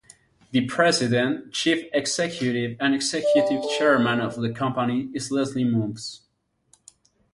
The president, chief executive and executive chairman of the company is Leslie Moonves.